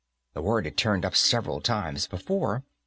The word had turned up several times before.